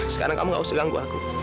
sekarang kamu gak usah ganggu aku